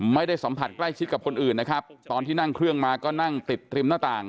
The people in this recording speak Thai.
ไม่ได้สัมผัสใกล้ชิดกับคนอื่นนะครับตอนที่นั่งเครื่องมาก็นั่งติดริมหน้าต่าง